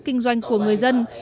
kinh doanh của người dân